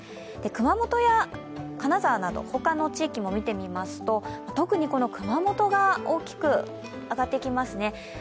熊本や金沢など他の地域も見てみますと特に熊本が大きく挙がってきますね。